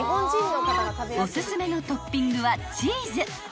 ［おすすめのトッピングはチーズ］